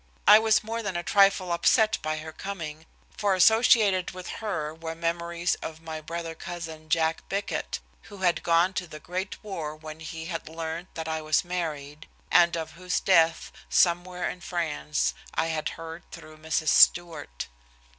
I was more than a trifle upset by her coming, for associated with her were memories of my brother cousin, Jack Bickett, who had gone to the great war when he had learned that I was married, and of whose death "somewhere in France," I had heard through Mrs. Stewart.